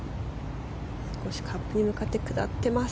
カップに向かって下ってます。